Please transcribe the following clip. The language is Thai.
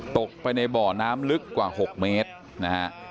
ตกไปในบ่อน้ำลึกกว่า๖เมตรนะฮะ